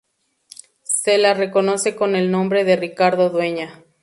Se la reconoce con el nombre de "Ricardo Dueña".